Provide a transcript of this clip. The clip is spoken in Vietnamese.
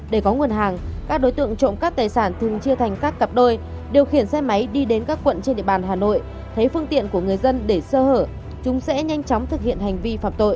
để có nguồn hàng các đối tượng trộm cắp tài sản thường chia thành các cặp đôi điều khiển xe máy đi đến các quận trên địa bàn hà nội thấy phương tiện của người dân để sơ hở chúng sẽ nhanh chóng thực hiện hành vi phạm tội